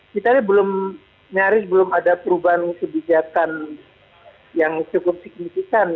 kita ini belum nyaris belum ada perubahan kebijakan yang cukup signifikan